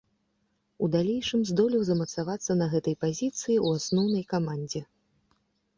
У далейшым здолеў замацавацца на гэтай пазіцыі ў асноўнай камандзе.